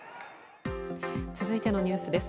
続いてのニュースです。